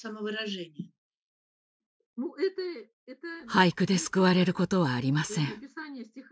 俳句で救われることはありません。